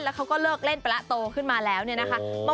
แล้วเขาก็เลิกเล่นไปแล้วโตขึ้นมาแล้วเนี่ยนะคะ